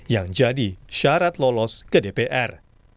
yang jadi syarat lolos ke dpr